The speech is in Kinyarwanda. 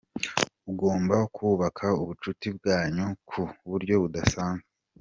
Ugomba kubaka ubucuti bwanyu ku buryo budasanzwe.